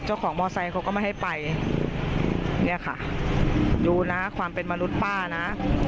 เจ้าของมอเตอร์ไซค์เขาก็ไม่ให้ไปเนี่ยค่ะอยู่นะความเป็นมนุษย์ป้านะ